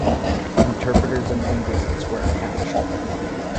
Interpreters and linguists were attached.